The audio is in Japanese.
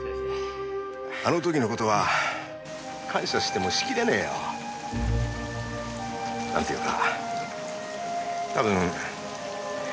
あの時の事は感謝してもしきれねえよ。なんていうか多分優しすぎるんだよ